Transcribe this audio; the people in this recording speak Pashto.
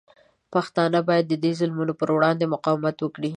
پښتانه باید د دې ظلمونو پر وړاندې مقاومت وکړي.